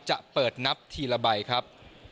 จะเปิดนับทีละใบครับ